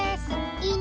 いいね！